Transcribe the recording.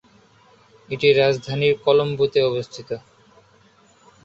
এটি রাজধানী কলম্বোতে অবস্থিত।